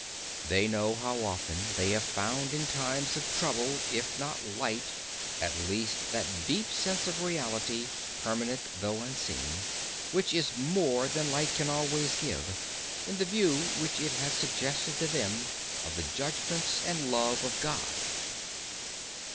They know how often they have found in times of trouble, if not light, at least that deep sense of reality, permanent though unseen, which is more than light can always give in the view which it has suggested to them of the judgments and love of God."